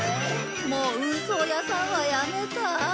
もう運送屋さんはやめた。